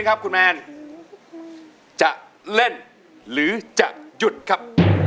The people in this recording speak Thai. คุณแมนจะเล่นหรือจะหยุดครับ